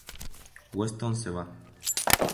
Weston se va.